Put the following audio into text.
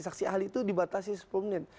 saksi ahli itu dibatasi sepuluh menit